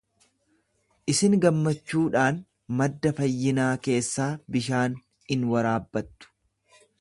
Isin gammachuudhaan madda fayyinaa keessaa bishaan in waraabbattu.